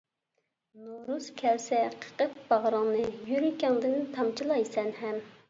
نورۇز كەلسە قېقىپ باغرىڭنى، يۈرىكىڭدىن تامچىلايسەن ھەم.